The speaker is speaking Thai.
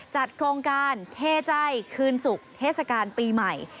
จัดโครงการเทใจคืนศุกร์เทศกาลปีใหม่